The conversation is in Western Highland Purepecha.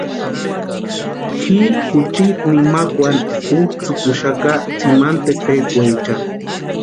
Ji juchiti nimakwani útsïkuxaka tsimani tepekwaechani.